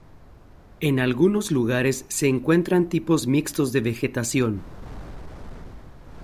En algunos lugares se encuentran tipos mixtos de vegetación.